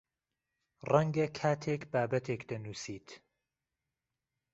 ڕەنگە کاتێک بابەتێک دەنووسیت